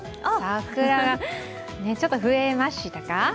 桜がちょっと増えましたか？